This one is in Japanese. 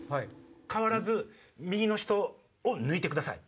変わらず右の人を抜いてください。